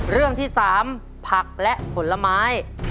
เรื่องที่๓ผักและผลไม้